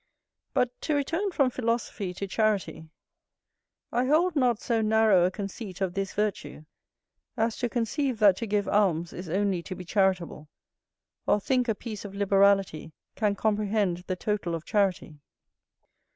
But, to return from philosophy to charity, I hold not so narrow a conceit of this virtue as to conceive that to give alms is only to be charitable, or think a piece of liberality can comprehend the total of charity.